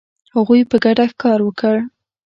هغوی په ګډه ښکار وکړ.